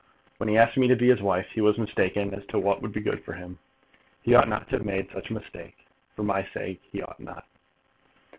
When he asked me to be his wife, he was mistaken as to what would be good for him. He ought not to have made such a mistake. For my sake he ought not."